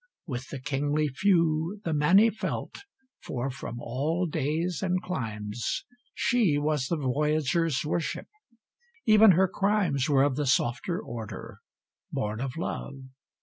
With the kingly few The many felt, for from all days and climes She was the voyager's worship; even her crimes Were of the softer order born of Love.